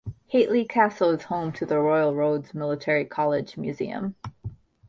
Hatley Castle is home to the Royal Roads Military College Museum.